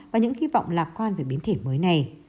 và những hy vọng lạc quan về biến thể mới này